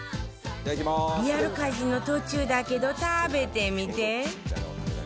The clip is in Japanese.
リアル家事の途中だけど食べてみて